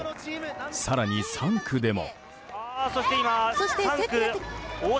更に３区でも。